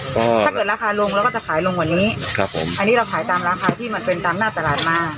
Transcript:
ถ้าเกิดราคาลงเราก็จะขายลงกว่านี้ครับผมอันนี้เราขายตามราคาที่มันเป็นตามหน้าตลาดมา